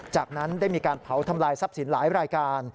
จากนั้นได้มีการเผาทำลายทรัพย์สินหลายรายการ